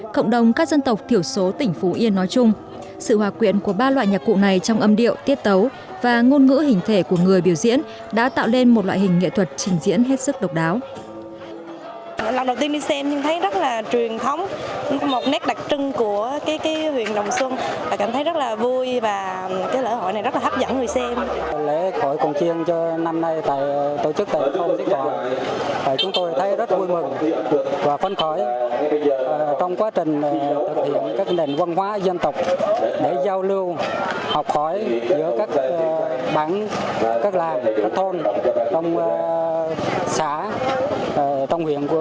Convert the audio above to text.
cộng đồng các dân tộc thiểu số tỉnh phú yên nói chung sự hòa quyện của ba loại nhạc cụ này trong âm điệu tiết tấu và ngôn ngữ hình thể của người biểu diễn đã tạo lên một loại hình nghệ thuật trình diễn hết sức độc đáo